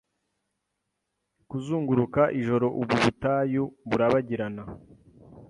Kuzunguruka ijoro ubu butayu burabagirana